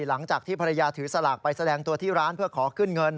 หลังจากที่ภรรยาถือสลากไปแสดงตัวที่ร้านเพื่อขอขึ้นเงิน